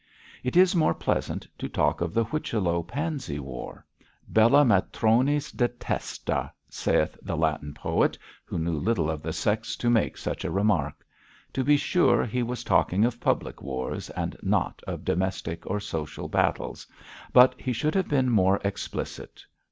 It is more pleasant to talk of the Whichello Pansey war. 'Bella matronis detestata,' saith the Latin poet, who knew little of the sex to make such a remark. To be sure, he was talking of public wars, and not of domestic or social battles; but he should have been more explicit.